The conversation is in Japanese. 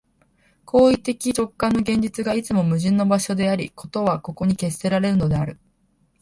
行為的直観の現実が、いつも矛盾の場所であり、事はここに決せられるのである。